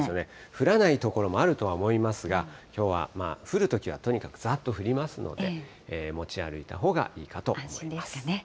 降らない所もあるとは思いますが、きょうは降るときはとにかくざっと降りますので、持ち歩いたほうがいいと思います。